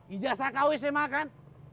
ijazah kau sma kan